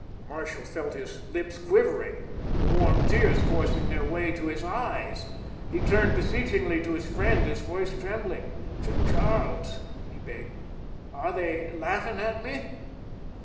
Marshall felt his lips quivering, the warm tears forcing their way to his eyes. He turned beseechingly to his friend. His voice trembled. "Charles," he begged, "are they laughing at me?"